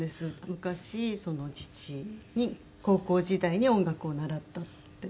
昔父に高校時代に音楽を習ったって。